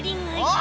あ。